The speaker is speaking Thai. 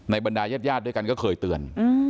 ในบรรดาเย็บด้วยกันเคยเตือน